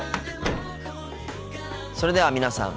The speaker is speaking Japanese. それでは皆さん